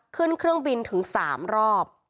ขึ้นเครื่องบินถึง๓รอบ